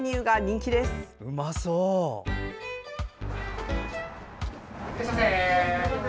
いらっしゃいませ！